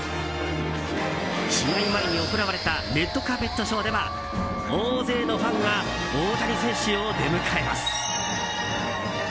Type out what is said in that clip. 試合前に行われたレッドカーペットショーでは大勢のファンが大谷選手を出迎えます。